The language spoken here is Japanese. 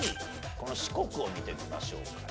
この四国を見てみましょうかね。